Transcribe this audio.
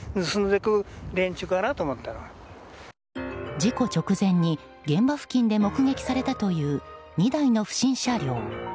事故直前に現場付近で目撃されたという２台の不審車両。